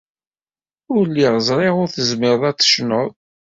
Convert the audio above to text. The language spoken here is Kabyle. Ur lliɣ ẓriɣ ur tezmireḍ ad tecnuḍ.